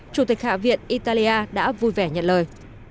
chủ tịch hạ viện italia đã vui vẻ nhận lời